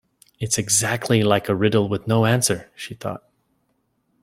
‘It’s exactly like a riddle with no answer!’ she thought.